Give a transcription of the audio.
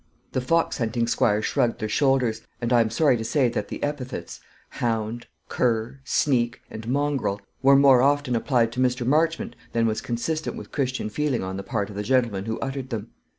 The fox hunting squires shrugged their shoulders; and I am sorry to say that the epithets, "hound," "cur," "sneak," and "mongrel," were more often applied to Mr. Marchmont than was consistent with Christian feeling on the part of the gentlemen who uttered them.